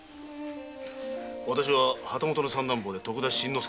私は旗本の三男坊で徳田新之助という者。